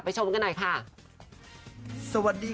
ไปชมกันหน่อยค่ะสวัสดี